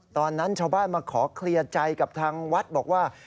ตอนนั้นชาวบ้านมาขอเคลียร์ใจกับทางวัดบอกว่า